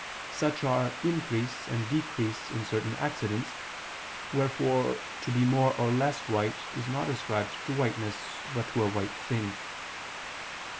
Such are increase and decrease in certain accidents: wherefore to be more or less white is not ascribed to whiteness but to a white thing.